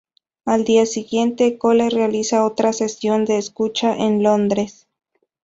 Al día siguiente, Cole realiza otra sesión de escucha en Londres.